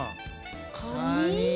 カニ。